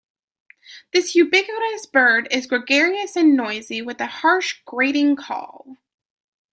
This ubiquitous bird is gregarious and noisy, with a harsh grating call.